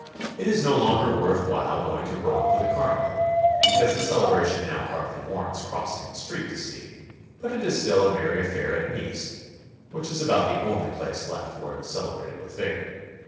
It is no longer worth while going to Rome for the Carnival, because the celebration now hardly warrants crossing the street to see, but it is still a merry affair at Nice, which is about the only place left where it is celebrated with vigor.